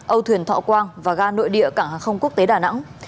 âu thuyền thọ quang và ga nội địa cảng hàng không quốc tế đà nẵng